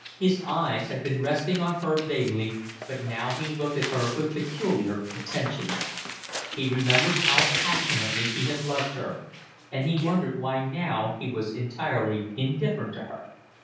His eyes had been resting on her vaguely, but now he looked at her with peculiar attention. He remembered how passionately he had loved her, and he wondered why now he was entirely indifferent to her.